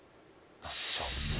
何でしょう？